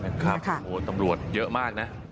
นะครับตำรวจเยอะมากนะ